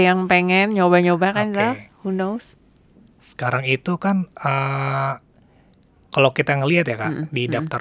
yang pengen nyoba nyoba kan zal who knows sekarang itu kan kalau kita ngelihat ya kak di daftar